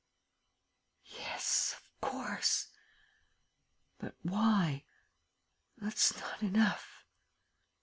yes, of course. ... But why? ... That's not enough.